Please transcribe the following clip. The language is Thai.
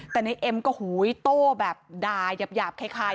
แต่ในเอ็มก็หูยโต้แบบด่ายาบคล้าย